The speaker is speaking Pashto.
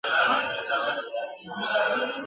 ستا په صبر کي بڅری د پېغور دی ..